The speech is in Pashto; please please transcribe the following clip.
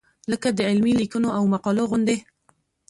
لکه د علمي لیکنو او مقالو غوندې.